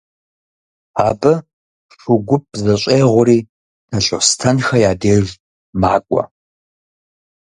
Абы шу гуп зэщӀегъури Талъостэнхэ я деж макӀуэ.